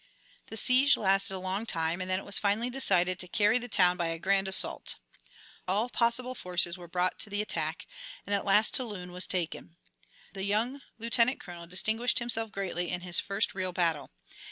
The siege lasted a long time, and then it was finally decided to carry the town by a grand assault. All possible forces were brought to the attack, and at last Toulon was taken. The young lieutenant colonel distinguished himself greatly in this his first real battle.